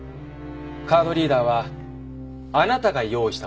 カードリーダーはあなたが用意したものですよね？